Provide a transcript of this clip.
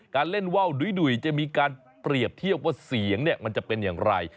เล่นว่าวดุยจะมีการเปรียบเทียบว่าเสียงเนี่ยมันจะเป็นอย่างไร